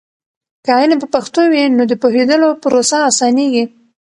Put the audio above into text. که علم په پښتو وي، نو د پوهیدلو پروسه اسانېږي.